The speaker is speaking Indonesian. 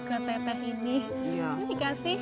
ke teteh ini